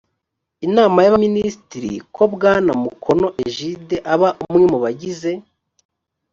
inama y abaminisitiri ko bwana mukono egide aba umwe mu bagize